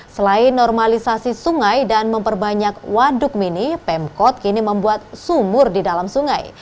selain normalisasi sungai dan memperbanyak waduk mini pemkot kini membuat sumur di dalam sungai